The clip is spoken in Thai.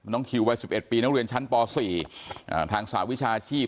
น้องคิววัย๑๑ปีนักเรียนชั้นป๔ทางศาสตร์วิชาชีพ